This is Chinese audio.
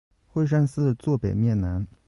会善寺坐北面南。